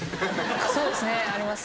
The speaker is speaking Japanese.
そうですねあります。